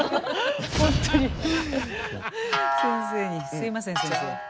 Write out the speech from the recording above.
すみません先生。